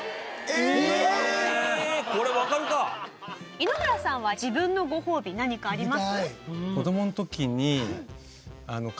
井ノ原さんは自分のごほうび何かあります？って